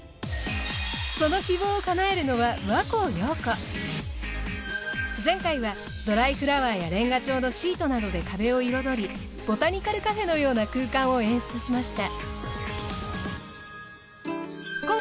その希望を叶えるのは前回はドライフラワーやレンガ調のシートなどで壁を彩りボタニカルカフェのような空間を演出しました。